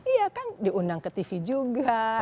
iya kan diundang ke tv juga